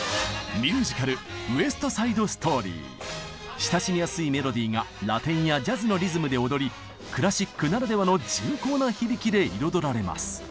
親しみやすいメロディーがラテンやジャズのリズムで踊りクラシックならではの重厚な響きで彩られます。